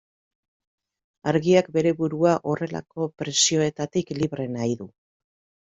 Argiak bere burua horrelako presioetatik libre nahi du.